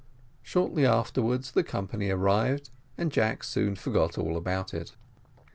Shortly afterwards, the company arrived, and Jack soon forgot all about it.